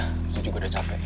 harusnya juga udah capek ya